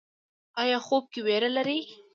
ایا خوب کې ویره لرئ؟